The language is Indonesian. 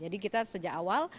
jadi kita sejak awal